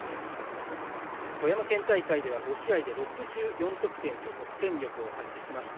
富山県大会では５試合で６４得点と得点力を発揮しました。